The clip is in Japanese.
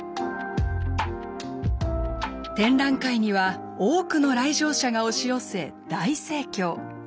展覧会には多くの来場者が押し寄せ大盛況。